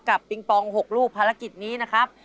ปิงปอง๖ลูกภารกิจนี้นะครับ